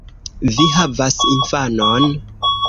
Vi havas infanon!